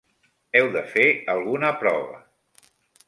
Heu de fer alguna prova.